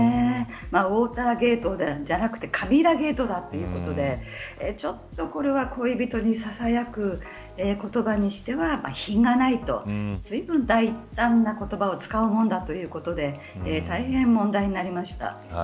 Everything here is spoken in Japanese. ウォーターゲートじゃなくてカミラゲートだということでちょっと、これは恋人にささやく言葉にしては品がないとずいぶん大胆な言葉を使うもんだということで大変問題になりました。